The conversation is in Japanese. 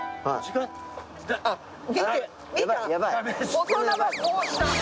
大人がこうした。